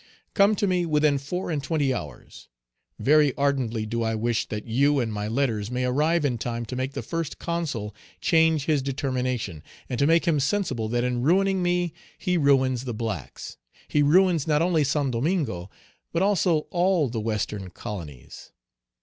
Come to me within four and twenty hours. Very ardently do I wish that you and my letters may arrive in time to make the First Consul change his determination, and to make him sensible that in ruining me he ruins the blacks, he ruins not only Saint Domingo, but also all the Western colonies.